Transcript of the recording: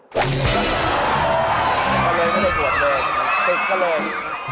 ก็เลยไม่ได้บวชเลยมันศึกก็เลย